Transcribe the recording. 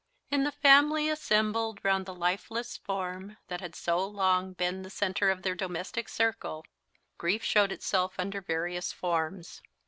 In the family assembled round the lifeless form that had so long been the centre of their domestic circle, grief showed itself under various forms.